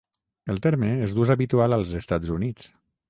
El terme és d'ús habitual als Estats Units.